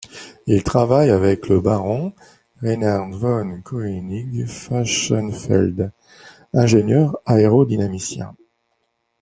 Il travaille avec le baron Reinhard von Koenig-Fachsenfeld, ingénieur aérodynamicien.